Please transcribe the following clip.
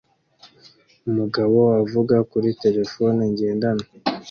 Umugabo avuga kuri terefone ngendanwa